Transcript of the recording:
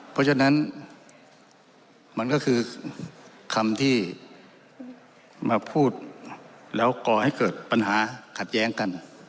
เพราะฉะนั้นมันก็คือคำที่มาพูดแล้วก่อให้เกิดปัญหาขัดแย้งกัน